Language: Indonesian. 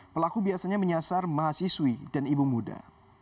pelaku biasanya menyasar mahasiswi dan ibu muda